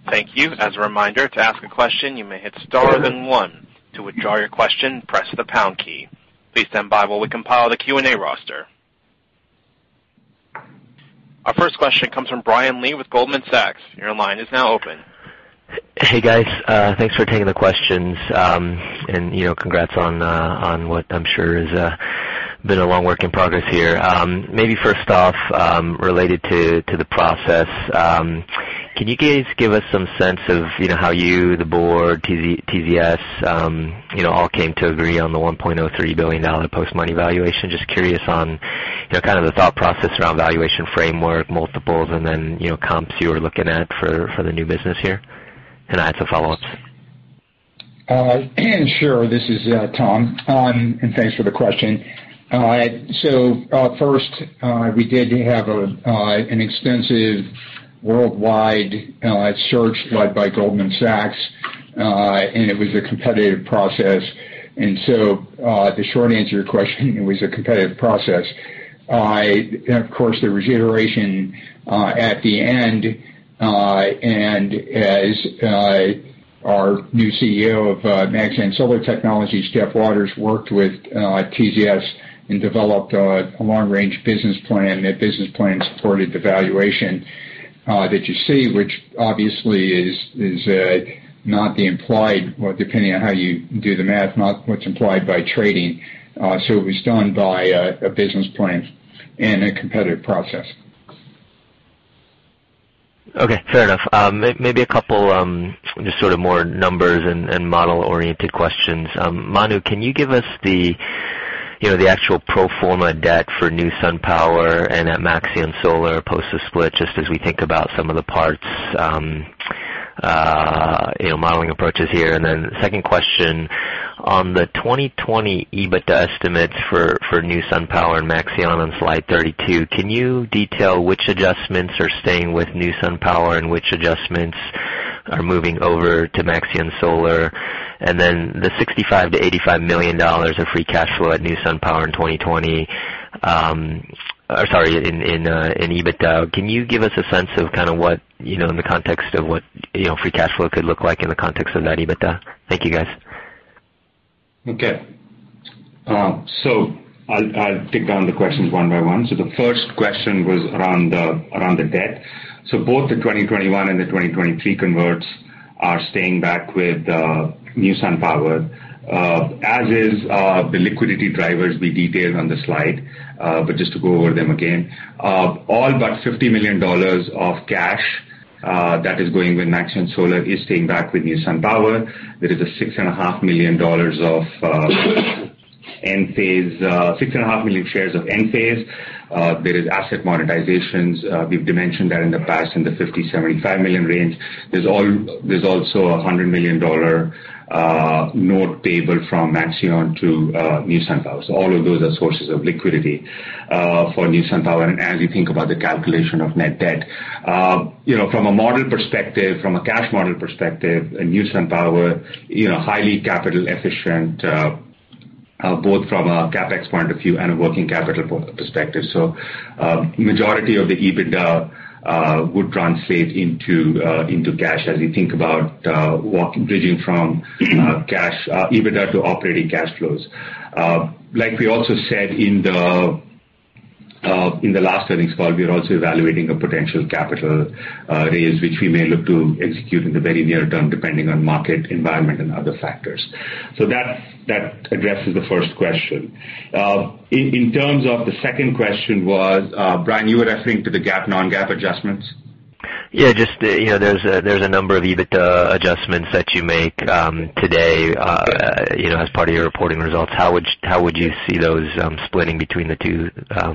Thank you. As a reminder, to ask a question, you may hit star then one. To withdraw your question, press the pound key. Please stand by while we compile the Q&A roster. Our first question comes from Brian Lee with Goldman Sachs. Your line is now open. Hey, guys. Thanks for taking the questions. Congrats on what I'm sure has been a long work in progress here. Maybe first off, related to the process, can you guys give us some sense of how you, the board, TZS all came to agree on the $1.03 billion post-money valuation? Just curious on kind of the thought process around valuation framework, multiples, and then comps you were looking at for the new business here? I have some follow-ups. Sure. This is Tom, thanks for the question. First, we did have an extensive worldwide search led by Goldman Sachs, it was a competitive process. The short answer to your question, it was a competitive process. Of course, there was iteration at the end. As our new CEO of Maxeon Solar Technologies, Jeff Waters, worked with TZS and developed a long-range business plan. That business plan supported the valuation that you see, which obviously is not the implied, well, depending on how you do the math, not what's implied by trading. It was done by a business plan and a competitive process. Okay. Fair enough. Maybe a couple just sort of more numbers and model-oriented questions. Manu, can you give us the actual pro forma debt for New SunPower and at Maxeon Solar post the split, just as we think about some of the parts modeling approaches here? Then second question, on the 2020 EBITDA estimates for New SunPower and Maxeon on slide 32, can you detail which adjustments are staying with New SunPower and which adjustments are moving over to Maxeon Solar? Then the $65 million-$85 million of free cash flow at New SunPower in 2020-- or sorry, in EBITDA, can you give us a sense of kind of what in the context of what free cash flow could look like in the context of that EBITDA? Thank you, guys. Okay. I'll take down the questions one by one. The first question was around the debt. Both the 2021 and the 2023 converts are staying back with New SunPower. As is the liquidity drivers we detailed on the slide. Just to go over them again. All but $50 million of cash that is going with Maxeon Solar is staying back with New SunPower. There is a $6.5 million of Enphase, 6.5 million shares of Enphase. There is asset monetizations. We've dimensioned that in the past in the $50 million-$75 million range. There's also a $100 million note payable from Maxeon to New SunPower. All of those are sources of liquidity for New SunPower. As you think about the calculation of net debt. From a cash model perspective, New SunPower, highly capital efficient, both from a CapEx point of view and a working capital perspective. Majority of the EBITDA would translate into cash as you think about bridging from EBITDA to operating cash flows. Like we also said in the last earnings call, we are also evaluating a potential capital raise, which we may look to execute in the very near term, depending on market environment and other factors. That addresses the first question. In terms of the second question was, Brian, you were referring to the GAAP, non-GAAP adjustments? Just there's a number of EBITDA adjustments that you make today as part of your reporting results. How would you see those splitting between the two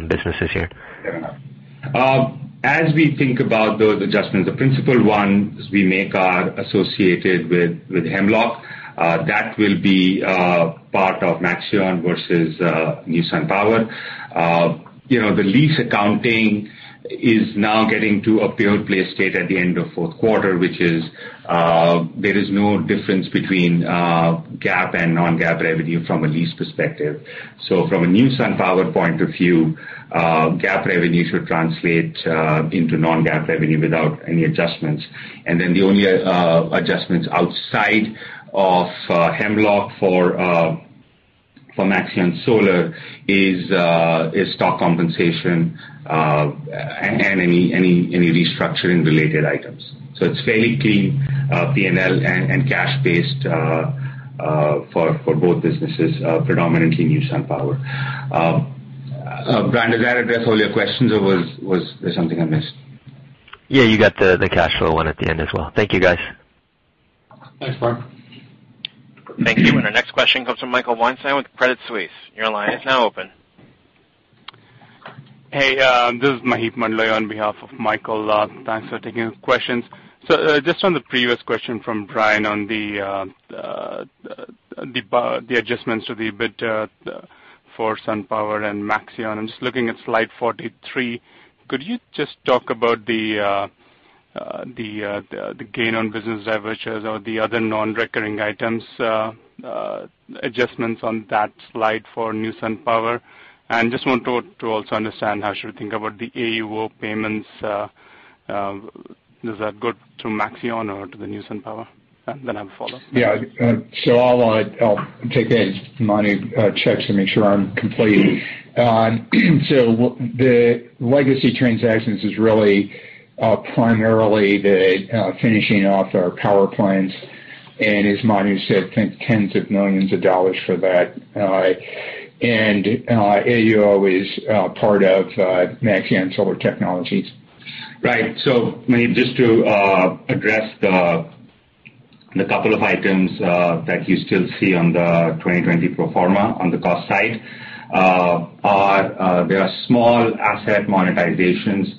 businesses here? Fair enough. As we think about those adjustments, the principal ones we make are associated with Hemlock. That will be part of Maxeon versus New SunPower. The lease accounting is now getting to a pure play state at the end of fourth quarter, which is, there is no difference between GAAP and non-GAAP revenue from a lease perspective. From a New SunPower point of view, GAAP revenue should translate into non-GAAP revenue without any adjustments. The only adjustments outside of Hemlock for Maxeon Solar is stock compensation, and any restructuring-related items. It's fairly clean P&L and cash-based for both businesses, predominantly New SunPower. Brian, does that address all your questions, or was there something I missed? Yeah, you got the cash flow one at the end as well. Thank you, guys. Thanks, [Mark]. Thank you. And our next question comes from Michael Weinstein with Credit Suisse. Your line is now open. Hey, this is Maheep Mandloi on behalf of Michael. Thanks for taking the questions. Just on the previous question from Brian on the adjustments to the EBITDA for SunPower and Maxeon, I'm just looking at slide 43. Could you just talk about the gain on business averages or the other non-recurring items, adjustments on that slide for new SunPower? Just want to also understand how I should think about the AUO payments. Does that go to Maxeon or to the new SunPower? I have a follow-up. Yeah. I'll take that. Maheep, check to make sure I'm complete. The legacy transactions is really primarily the finishing off our power plants, and as Manu said, think tens of millions of dollars for that. AUO is part of Maxeon Solar Technologies. Right. Maheep, just to address the couple of items that you still see on the 2020 pro forma on the cost side, there are small asset monetizations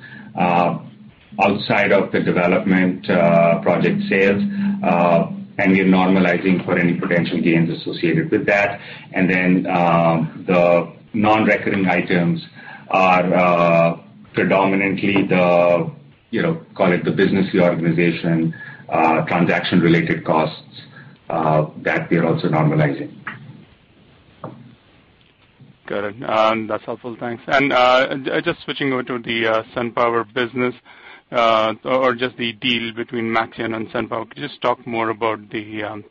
outside of the development project sales, and we're normalizing for any potential gains associated with that. The non-recurring items are predominantly the, call it the business reorganization, transaction-related costs that we are also normalizing. Got it. That's helpful. Thanks. Just switching over to the SunPower business or just the deal between Maxeon and SunPower, could you just talk more about the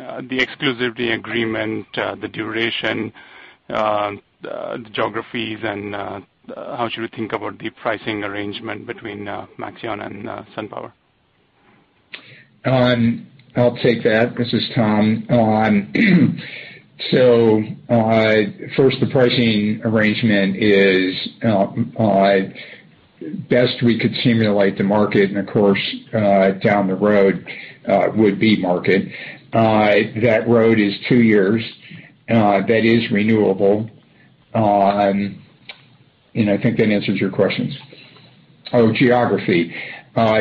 exclusivity agreement, the duration, the geographies, and how should we think about the pricing arrangement between Maxeon and SunPower? I'll take that. This is Tom. First, the pricing arrangement is best we could simulate the market, and of course, down the road would be market. That road is two years. That is renewable. I think that answers your questions. Geography.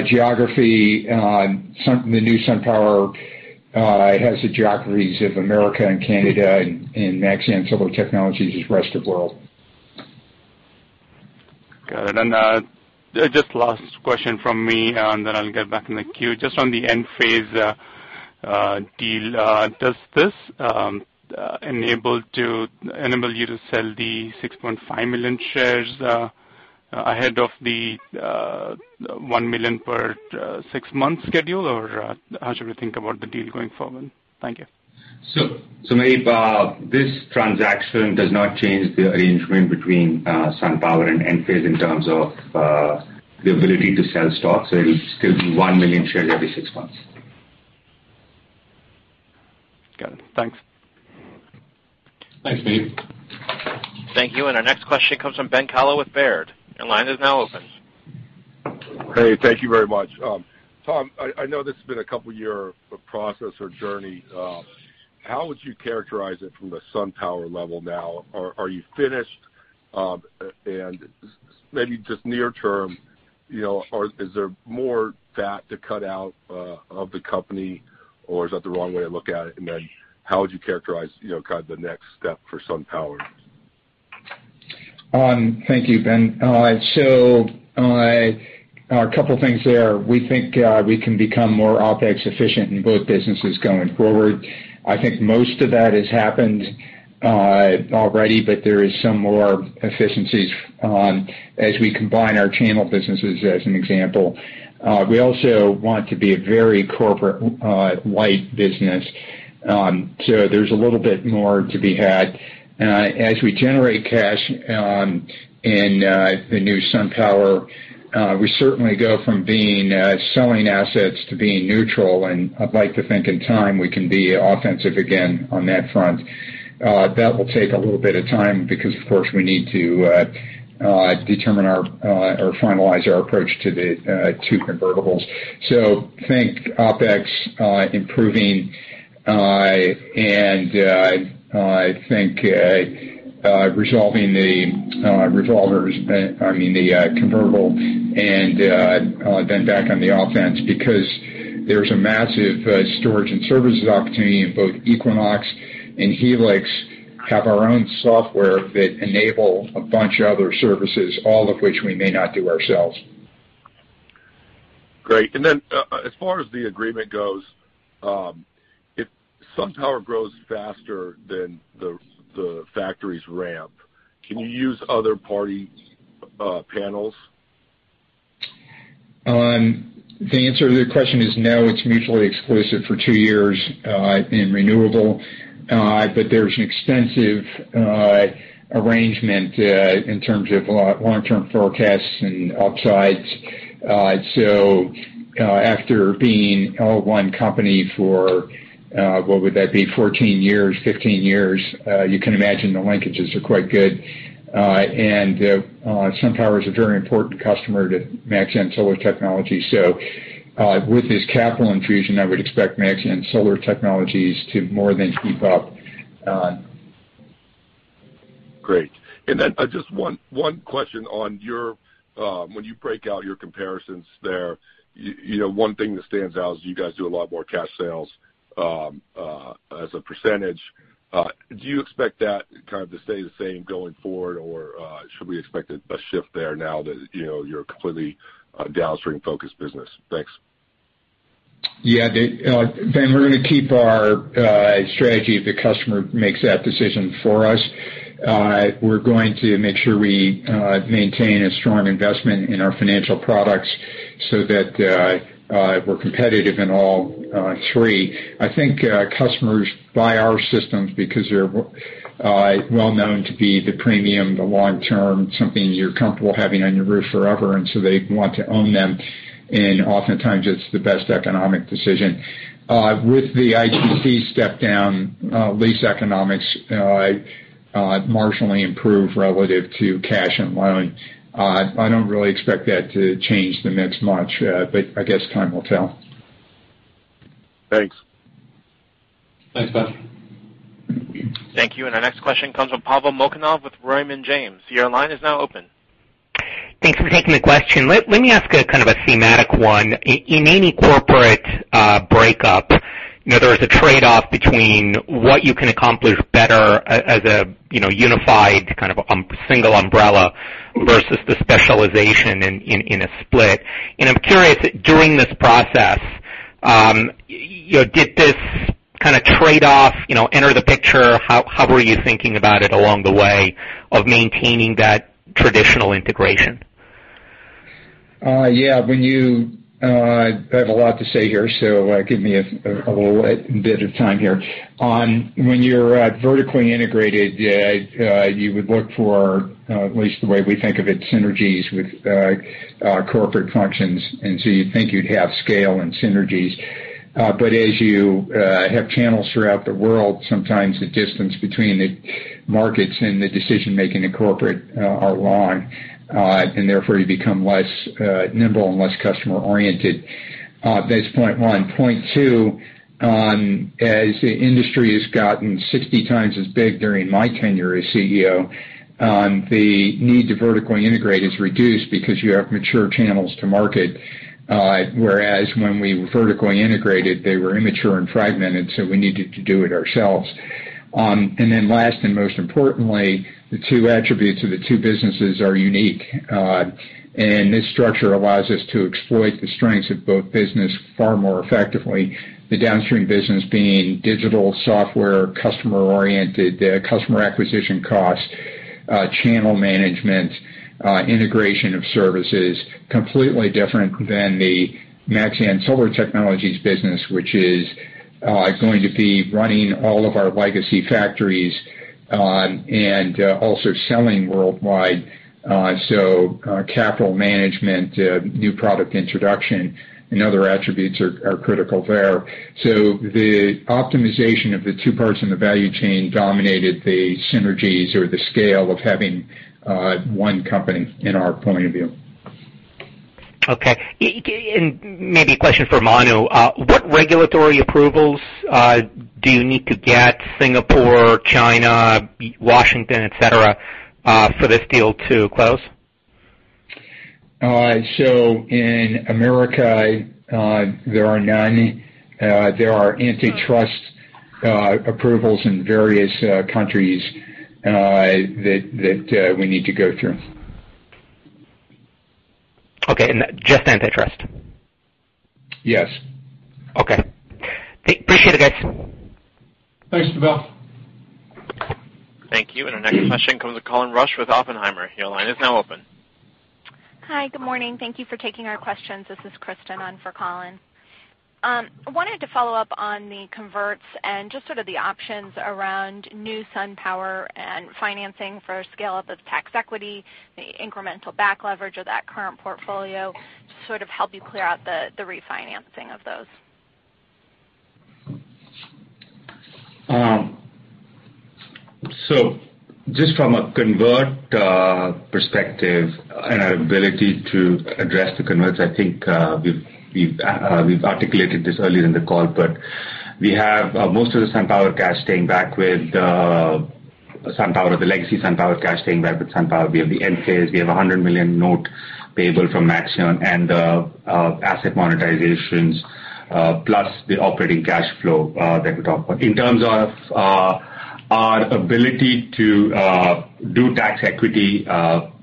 Geography, the new SunPower has the geographies of America and Canada, and Maxeon Solar Technologies is rest of world. Got it. Just last question from me, and then I'll get back in the queue. Just on the Enphase deal, does this enable you to sell the 6.5 million shares ahead of the one million per six months schedule, or how should we think about the deal going forward? Thank you. Maheep, this transaction does not change the arrangement between SunPower and Enphase in terms of the ability to sell stock, so it'll still be one million shares every six months. Got it. Thanks. Thanks, Maheep. Thank you. Our next question comes from Ben Kallo with Baird. Your line is now open. Hey, thank you very much. Tom, I know this has been a couple year process or journey. How would you characterize it from the SunPower level now? Are you finished? Maybe just near term, is there more fat to cut out of the company, or is that the wrong way to look at it? How would you characterize the next step for SunPower? Thank you, Ben. A couple of things there. We think we can become more OpEx efficient in both businesses going forward. I think most of that has happened already, but there is some more efficiencies as we combine our channel businesses, as an example. We also want to be a very corporate-wide business. There's a little bit more to be had. As we generate cash in the new SunPower, we certainly go from selling assets to being neutral, and I'd like to think in time, we can be offensive again on that front. That will take a little bit of time because, of course, we need to determine or finalize our approach to the two convertibles. Think OpEx improving, and I think resolving the convertible and then back on the offense, because there's a massive storage and services opportunity in both Equinox and Helix have our own software that enable a bunch of other services, all of which we may not do ourselves. Great. Then as far as the agreement goes, if SunPower grows faster than the factories ramp, can you use other party panels? The answer to the question is no. It's mutually exclusive for two years and renewable. There's an extensive arrangement in terms of long-term forecasts and upsides. After being one company for, what would that be, 14 years, 15 years, you can imagine the linkages are quite good. SunPower is a very important customer to Maxeon Solar Technologies. With this capital infusion, I would expect Maxeon Solar Technologies to more than keep up. Great. Just one question on when you break out your comparisons there, one thing that stands out is you guys do a lot more cash sales as a percentage. Do you expect that kind of to stay the same going forward, or should we expect a shift there now that you're a completely downstream-focused business? Thanks. Yeah, Ben, we're going to keep our strategy if the customer makes that decision for us. We're going to make sure we maintain a strong investment in our financial products so that we're competitive in all three. I think customers buy our systems because they're well-known to be the premium, the long-term, something you're comfortable having on your roof forever, and so they want to own them, and oftentimes, it's the best economic decision. With the ITC step-down, lease economics marginally improve relative to cash and loan. I don't really expect that to change the mix much, but I guess time will tell. Thanks. Thanks, Ben. Thank you. Our next question comes from Pavel Molchanov with Raymond James. Your line is now open. Thanks for taking the question. Let me ask a kind of a thematic one. In any corporate breakup, there is a trade-off between what you can accomplish better as a unified kind of single umbrella versus the specialization in a split. I'm curious, during this process, did this kind of trade-off enter the picture? How were you thinking about it along the way of maintaining that traditional integration? Yeah. I have a lot to say here, so give me a little bit of time here. When you're vertically integrated, you would look for, at least the way we think of it, synergies with corporate functions, and so you'd think you'd have scale and synergies. As you have channels throughout the world, sometimes the distance between the markets and the decision-making in corporate are long, and therefore you become less nimble and less customer-oriented. That's point one. Point two, as the industry has gotten 60 times as big during my tenure as CEO, the need to vertically integrate is reduced because you have mature channels to market. Whereas when we were vertically integrated, they were immature and fragmented, so we needed to do it ourselves. Last, and most importantly, the two attributes of the two businesses are unique. This structure allows us to exploit the strengths of both business far more effectively. The downstream business being digital software, customer-oriented, customer acquisition cost, channel management, integration of services, completely different than the Maxeon Solar Technologies business, which is going to be running all of our legacy factories, and also selling worldwide. Capital management, new product introduction, and other attributes are critical there. The optimization of the two parts in the value chain dominated the synergies or the scale of having one company in our point of view. Okay. Maybe a question for Manu. What regulatory approvals do you need to get, Singapore, China, Washington, et cetera, for this deal to close? In America, there are antitrust approvals in various countries that we need to go through. Okay, just antitrust? Yes. Okay. Appreciate it, guys. Thanks, Pavel. Thank you. Our next question comes with Colin Rusch with Oppenheimer. Your line is now open. Hi. Good morning. Thank you for taking our questions. This is Kristen on for Colin. I wanted to follow up on the converts and just sort of the options around new SunPower and financing for scale-up of tax equity, the incremental back leverage of that current portfolio to sort of help you clear out the refinancing of those? Just from a convert perspective and our ability to address the converts, I think we've articulated this earlier in the call, but we have most of the legacy SunPower cash staying back with SunPower. We have the [NOLs], we have a $100 million note payable from Maxeon, and asset monetizations, plus the operating cash flow that we talked about. In terms of our ability to do tax equity, the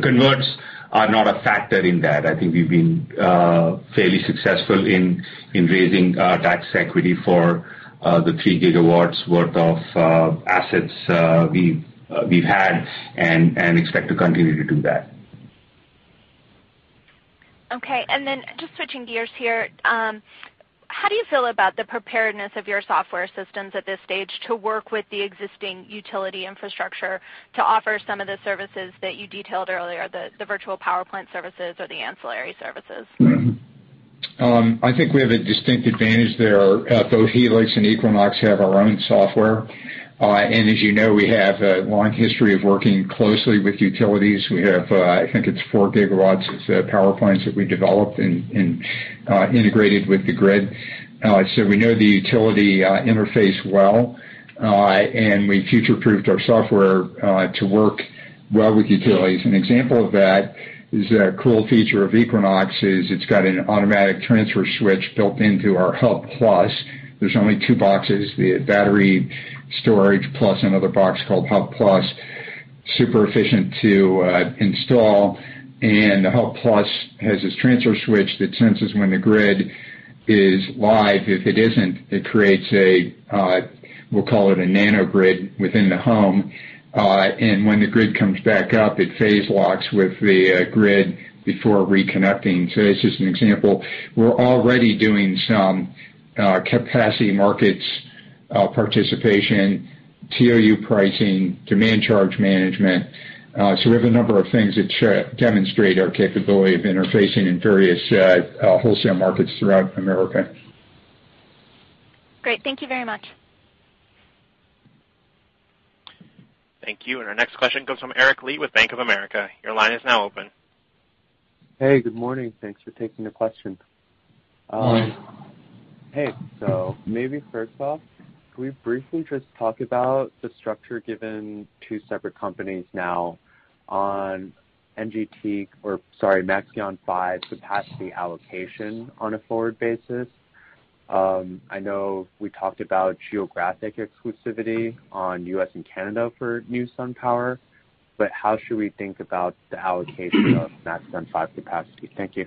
converts are not a factor in that. I think we've been fairly successful in raising tax equity for the 3 GW worth of assets we've had and expect to continue to do that. Okay. Just switching gears here, how do you feel about the preparedness of your software systems at this stage to work with the existing utility infrastructure to offer some of the services that you detailed earlier, the virtual power plant services or the ancillary services? I think we have a distinct advantage there. Both Helix and Equinox have our own software. As you know, we have a long history of working closely with utilities. We have, I think it's 4 GW, power plants that we developed and integrated with the grid. We know the utility interface well. We future-proofed our software to work well with utilities. An example of that is a cool feature of Equinox is it's got an automatic transfer switch built into our Hub Plus. There's only two boxes, the battery storage plus another box called Hub Plus. Super efficient to install. The Hub Plus has this transfer switch that senses when the grid is live. If it isn't, it creates, we'll call it a nanogrid within the home. When the grid comes back up, it phase locks with the grid before reconnecting. It's just an example. We're already doing some capacity markets participation, TOU pricing, demand charge management. We have a number of things that demonstrate our capability of interfacing in various wholesale markets throughout America. Great. Thank you very much. Thank you. Our next question comes from Eric Lee with Bank of America. Your line is now open. Hey, good morning. Thanks for taking the question. Hey, maybe first off, can we briefly just talk about the structure, given two separate companies now on NGT or, sorry, Maxeon 5 capacity allocation on a forward basis? I know we talked about geographic exclusivity on U.S. and Canada for new SunPower, how should we think about the allocation of Maxeon 5 capacity? Thank you.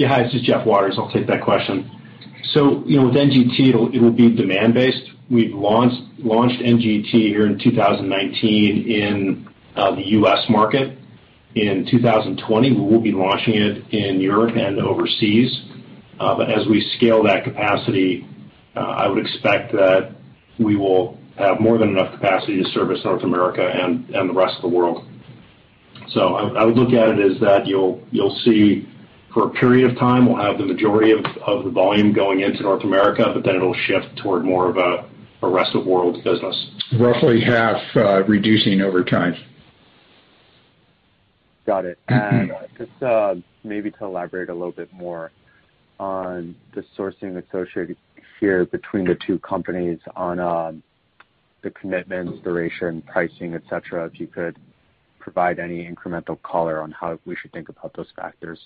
Hi, this is Jeff Waters. I'll take that question. With NGT, it'll be demand-based. We've launched NGT here in 2019 in the U.S. market. In 2020, we will be launching it in Europe and overseas. As we scale that capacity, I would expect that we will have more than enough capacity to service North America and the rest of the world. I would look at it as that you'll see for a period of time we'll have the majority of the volume going into North America, but then it'll shift toward more of a rest-of-world business. Roughly half reducing over time. Got it. Just maybe to elaborate a little bit more on the sourcing associated here between the two companies on the commitment, duration, pricing, et cetera, if you could provide any incremental color on how we should think about those factors.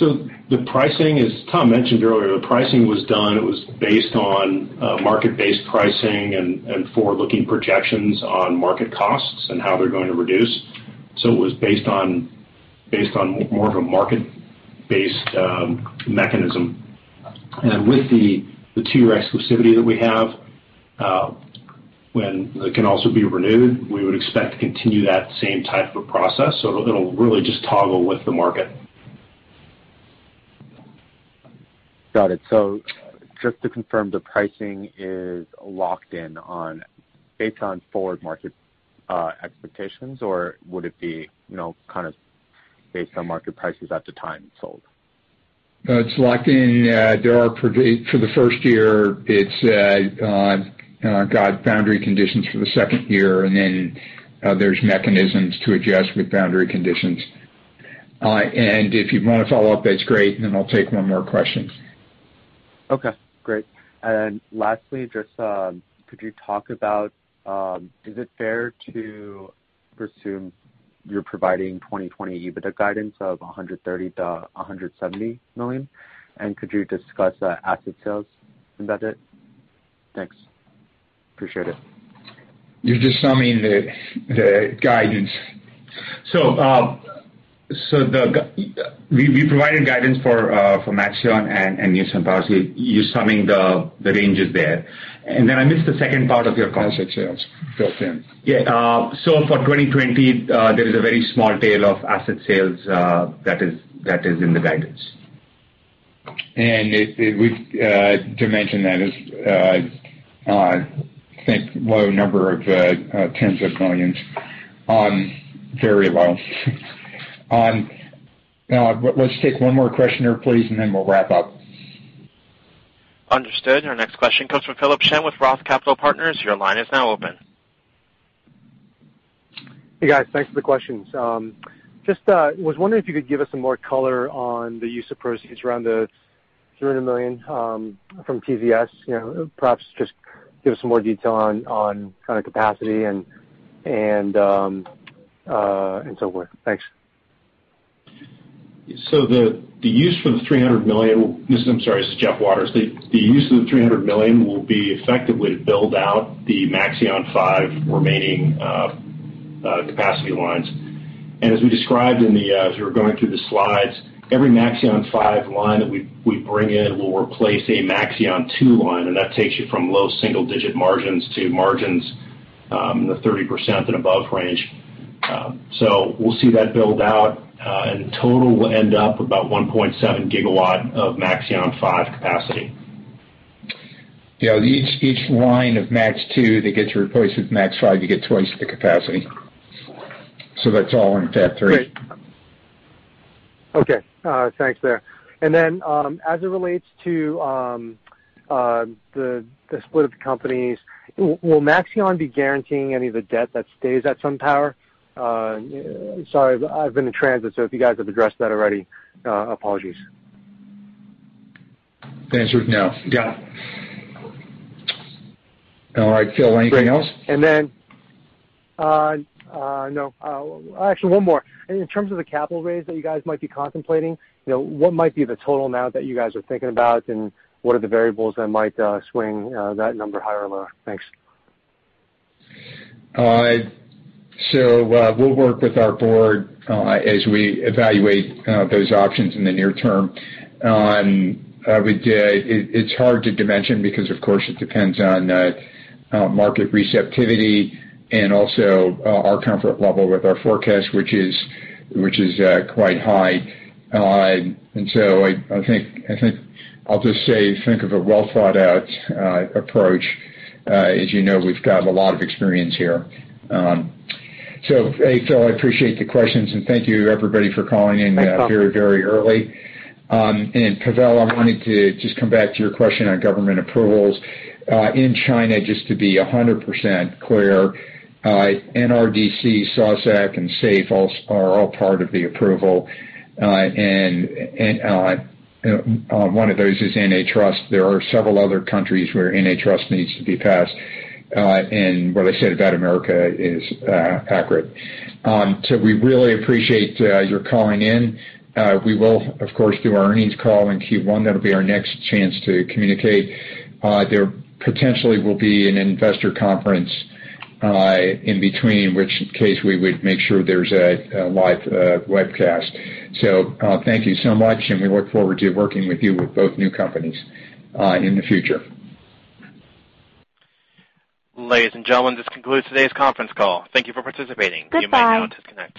The pricing, as Tom mentioned earlier, the pricing was done, it was based on market-based pricing and forward-looking projections on market costs and how they're going to reduce. It was based on more of a market-based mechanism. With the two-year exclusivity that we have, when it can also be renewed, we would expect to continue that same type of process. It'll really just toggle with the market. Got it. just to confirm, the pricing is locked in based on forward market expectations, or would it be kind of based on market prices at the time it's sold? It's locked in. For the first year, it's got boundary conditions for the second year, then there's mechanisms to adjust with boundary conditions. If you want to follow up, that's great. Then I'll take one more question. Okay, great. Lastly, could you talk about is it fair to presume you're providing 2020 EBITDA guidance of $130 million-$170 million? Could you discuss asset sales? Is that it? Thanks. Appreciate it. You're just summing the guidance. We provided guidance for Maxeon and new SunPower, so you're summing the ranges there. I missed the second part of your comment. Asset sales built in. For 2020, there is a very small tail of asset sales that is in the guidance. To mention that is I think low number of $10s of millions on very low. Let's take one more question here, please, and then we'll wrap up. Understood. Our next question comes from Philip Shen with ROTH Capital Partners. Your line is now open. Hey, guys. Thanks for the questions. Just was wondering if you could give us some more color on the use of proceeds around the $300 million from TZS. Perhaps just give us some more detail on kind of capacity and so forth. Thanks. The use for the $300 million, this is Jeff Waters. The use of the $300 million will be effectively to build out the Maxeon 5 remaining capacity lines. As we described as we were going through the slides, every Maxeon 5 line that we bring in will replace a Maxeon 2 line, and that takes you from low single-digit margins to margins in the 30% and above range. We'll see that build out. In total, we'll end up about 1.7 GW of Maxeon 5 capacity. Yeah. Each line of Maxeon 2 that gets replaced with Maxeon 5, you get twice the capacity. That's all in Fab 3. Great. Okay. Thanks there. As it relates to the split of the companies, will Maxeon be guaranteeing any of the debt that stays at SunPower? Sorry, I've been in transit, so if you guys have addressed that already, apologies. The answer is no. Got it. All right, Phil, anything else? No. Actually, one more. In terms of the capital raise that you guys might be contemplating, what might be the total amount that you guys are thinking about, and what are the variables that might swing that number higher or lower? Thanks. We'll work with our board as we evaluate those options in the near term. It's hard to dimension because, of course, it depends on market receptivity and also our comfort level with our forecast, which is quite high. I think I'll just say, think of a well-thought-out approach. As you know, we've got a lot of experience here. Hey, Phil, I appreciate the questions, and thank you, everybody, for calling in very, very early. Pavel, I wanted to just come back to your question on government approvals. In China, just to be 100% clear, NDRC, SASAC, and SAFE are all part of the approval. One of those is antitrust. There are several other countries where antitrust needs to be passed. What I said about America is accurate. We really appreciate your calling in. We will, of course, do our earnings call in Q1. That'll be our next chance to communicate. There potentially will be an investor conference in between, in which case we would make sure there's a live webcast. Thank you so much, and we look forward to working with you with both new companies in the future. Ladies and gentlemen, this concludes today's conference call. Thank you for participating. Goodbye. You may now disconnect.